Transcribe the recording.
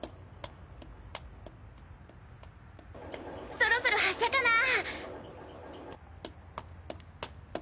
そろそろ発車かなぁ。